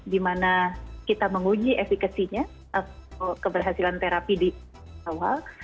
dimana kita menguji efekasinya atau keberhasilan terapi di awal